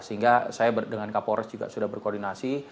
sehingga saya dengan kapolres juga sudah berkoordinasi